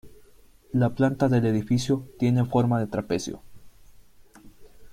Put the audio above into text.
La planta del edificio tiene forma de trapecio.